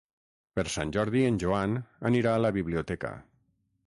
Per Sant Jordi en Joan anirà a la biblioteca.